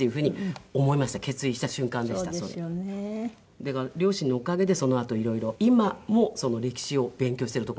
だから両親のおかげでそのあと色々今も歴史を勉強しているとこです。